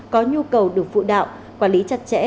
có nhu cầu được phụ đạo quản lý chặt chẽ